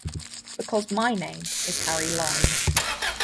Because my name is Harry Lime.